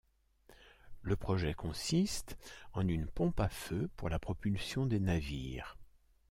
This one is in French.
Le projet consiste en une pompe à feu pour la propulsion des navires.